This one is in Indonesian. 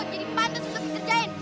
jadi pantas untuk dikerjain